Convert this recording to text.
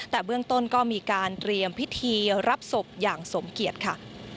แต่เบื้องต้นก็มีการเตรียมพิธีรับศพอย่างสมเกียจค่ะ